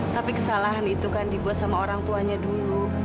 tapi kesalahan itu kan dibuat sama orang tuanya dulu